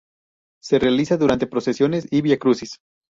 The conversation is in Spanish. Se realiza durante procesiones y Viacrucis.